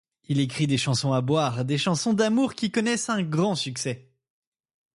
Il écrit des chansons à boire, des chansons d'amour qui connaissent un grand succès.